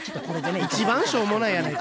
一番しょうもないやないか。